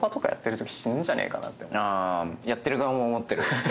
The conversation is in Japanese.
やってる側も思ってる。